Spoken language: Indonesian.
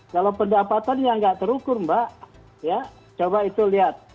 kalau pendapatan ya nggak terukur mbak ya coba itu lihat